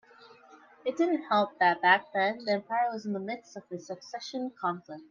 It didn't help that back then the empire was in the midst of a succession conflict.